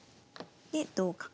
で同角。